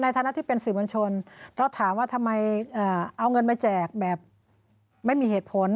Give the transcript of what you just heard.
ฐานะที่เป็นสื่อมวลชนเราถามว่าทำไมเอาเงินมาแจกแบบไม่มีเหตุผล